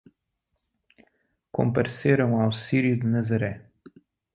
Compareceram ao Círio de Nazaré